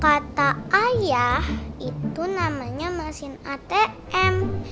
kata ayah itu namanya mesin atm